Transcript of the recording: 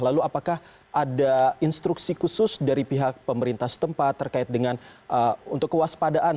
lalu apakah ada instruksi khusus dari pihak pemerintah setempat terkait dengan untuk kewaspadaan